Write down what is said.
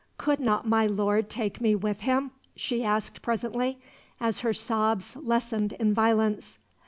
"Could not my lord take me with him?" she asked presently, as her sobs lessened in violence.